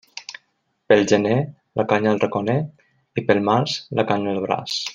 Pel gener la canya al raconer i pel març la canya al braç.